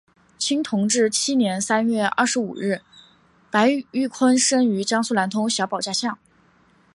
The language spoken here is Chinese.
清同治七年三月二十五日白毓昆生于江苏南通小保家巷。